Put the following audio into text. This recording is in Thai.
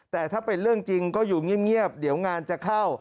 แต่ถ้าเป็นเรื่องจริงก็อยู่เงียบเดี๋ยวงานจะเข้า